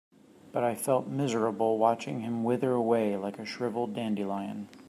But I felt miserable watching him wither away like a shriveled dandelion.